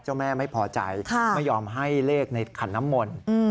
เจ้าแม่ไม่พอใจไม่ยอมให้เลขในขันน้ำมนต์